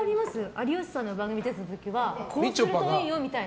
有吉さんの番組に出た時はこうするといいよみたいな。